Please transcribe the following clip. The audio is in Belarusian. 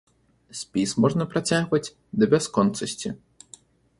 Спіс можна працягваць да бясконцасці.